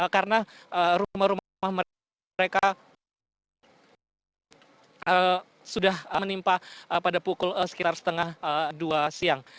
karena rumah rumah mereka sudah menimpa pada pukul sekitar setengah dua siang